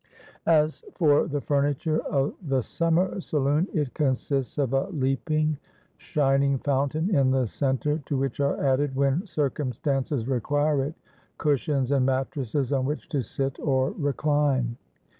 "As for the furniture of the summer saloon, it consists of a leaping, shining fountain in the centre, to which are added, when circumstances require it, cushions and mattresses on which to sit or recline.